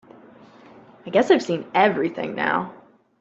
I guess I've seen everything now.